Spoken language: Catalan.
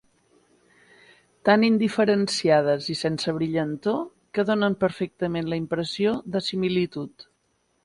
Tan indiferenciades i sense brillantor, que donen perfectament la impressió de similitud.